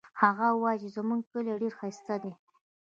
هغه وایي چې زموږ کلی ډېر ښایسته ده